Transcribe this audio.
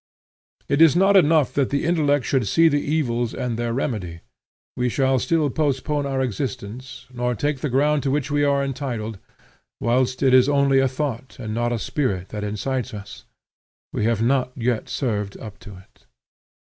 It is not enough that the intellect should see the evils and their remedy. We shall still postpone our existence, nor take the ground to which we are entitled, whilst it is only a thought and not a spirit that incites us. We have not yet served up to it.